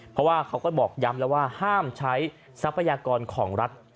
เพราะว่าเขาก็บอกย้ำแล้วว่าห้ามใช้ทรัพยากรของรัฐ